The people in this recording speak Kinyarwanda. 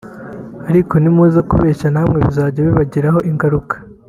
ariko nimuza kubeshya namwe bizajya bibagiraho ingaruka